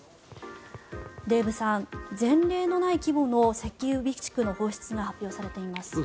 デーブさん、前例のない規模の石油備蓄の放出が発表されています。